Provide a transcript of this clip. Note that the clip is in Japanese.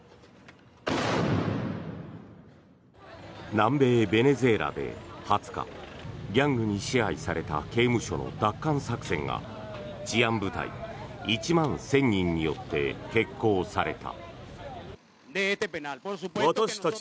南米ベネズエラで２０日ギャングに支配された刑務所の奪還作戦が治安部隊１万１０００人によって決行された。